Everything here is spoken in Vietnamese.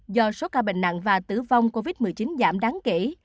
do số ca bệnh nặng và tử vong covid một mươi chín giảm đáng kể